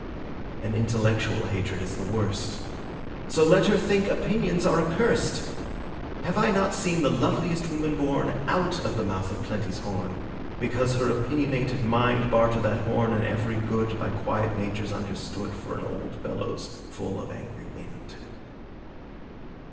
An intellectual hatred is the worst, So let her think opinions are accursed. Have I not seen the loveliest woman born Out of the mouth of Plenty's horn, Because of her opinionated mind Barter that horn and every good By quiet natures understood For an old bellows full of angry wind?